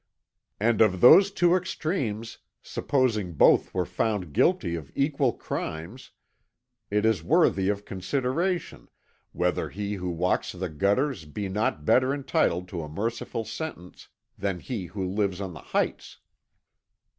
And of those two extremes, supposing both were found guilty of equal crimes, it is worthy of consideration, whether he who walks the gutters be not better entitled to a merciful sentence than he who lives on the heights."